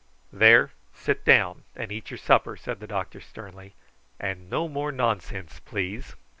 "There, sit down and eat your supper!" said the doctor sternly; "and no more nonsense, please."